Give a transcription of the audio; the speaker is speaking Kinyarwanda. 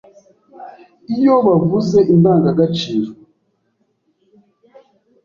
Iyo bavuze indangagaciro,